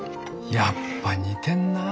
やっぱ似てんなあ